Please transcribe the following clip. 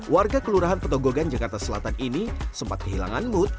warga kelurahan petogogan jakarta selatan ini sempat kehilangan mood